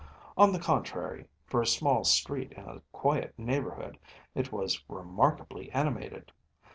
On the contrary, for a small street in a quiet neighbourhood, it was remarkably animated.